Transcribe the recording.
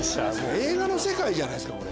映画の世界じゃないですかこれ。